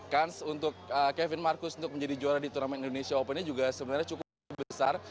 kans untuk kevin marcus untuk menjadi juara di turnamen indonesia open ini juga sebenarnya cukup besar